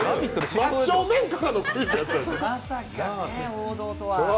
まさか王道とは。